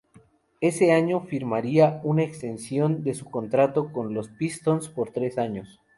Ese año firmaría una extensión de su contrato con los Pistons por tres años.